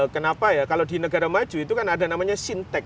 kenapa ya kalau di negara maju itu kan ada namanya sintech